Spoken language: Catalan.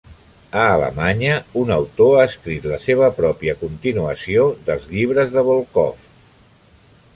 A Alemanya, un autor ha escrit la seva pròpia continuació dels llibres de Volkov.